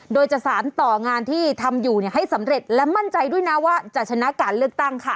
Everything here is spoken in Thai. โดยจะสารต่องานที่ทำอยู่ให้สำเร็จและมั่นใจด้วยนะว่าจะชนะการเลือกตั้งค่ะ